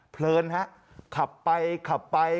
เผลินค่ะขับไป